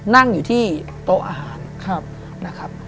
นั่งอยู่ที่โต๊ะอาหาร